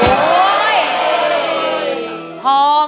ร้องได้ให้ร้อง